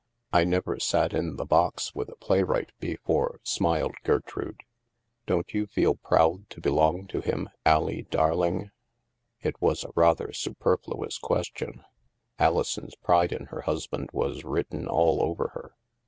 " I never sat in the box with a playwright before," smiled Gertrude. " Don't you feel proud to be long to him, AUie darling? " It was a rather superfluous question. Alison's pride in her husband was written all over her.